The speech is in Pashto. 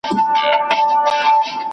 که احتکار نه وای سوی، ستونزي به کمې وای.